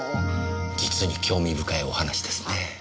実に興味深いお話ですねぇ。